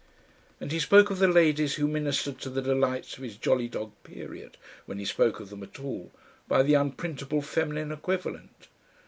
And he spoke of the ladies who ministered to the delights of his jolly dog period, when he spoke of them at all, by the unprintable feminine equivalent.